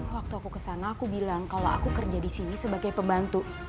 waktu aku kesana aku bilang kalau aku kerja di sini sebagai pembantu